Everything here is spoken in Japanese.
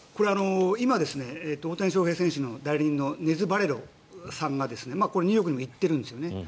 今、大谷翔平選手の代理人のバレロさんがニューヨークにも行ってるんですね。